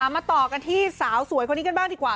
มาต่อกันที่สาวสวยคนนี้กันบ้างดีกว่า